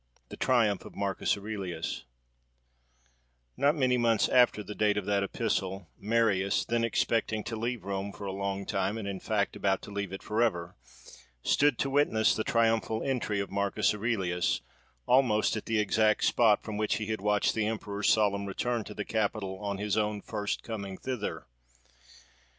THE TRIUMPH OF MARCUS AURELIUS Not many months after the date of that epistle, Marius, then expecting to leave Rome for a long time, and in fact about to leave it for ever, stood to witness the triumphal entry of Marcus Aurelius, almost at the exact spot from which he had watched the emperor's solemn return to the capital on his own first coming thither.